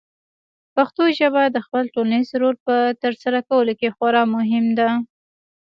پښتو ژبه د خپل ټولنیز رول په ترسره کولو کې خورا مهمه ده.